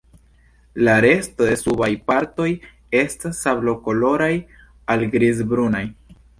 La resto de subaj partoj estas sablokoloraj al grizbrunaj.